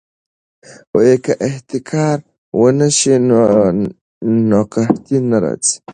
که احتکار ونه شي نو قحطي نه راځي.